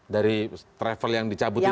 dari travel yang dicabut itu